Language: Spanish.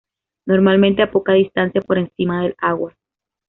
Normalmente a poca distancia por encima del agua.